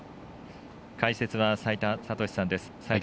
解説は、齋田悟司さんです。